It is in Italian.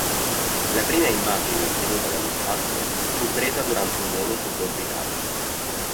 La prima immagine ottenuta dallo spazio fu presa durante un volo suborbitale.